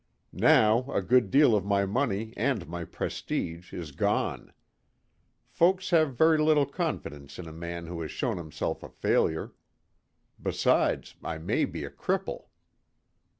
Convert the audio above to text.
Now a good deal of my money and my prestige is gone: folks have very little confidence in a man who has shown himself a failure. Besides, I may be a cripple."